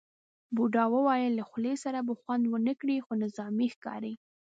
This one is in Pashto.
بوډا وویل له خولۍ سره به خوند ونه کړي، خو نظامي ښکاري.